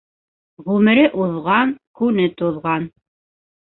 Ғүмере уҙған, күне туҙған.